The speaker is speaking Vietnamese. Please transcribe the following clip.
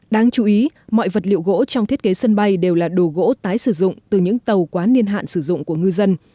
đáng chú ý mọi vật liệu gỗ trong thiết kế sân bay đều là đồ gỗ tái sử dụng từ những tàu quá niên hạn sử dụng của ngư dân